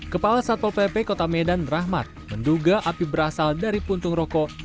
kepala satpol pp kota medan rahmat menduga api berasal dari puntung rokok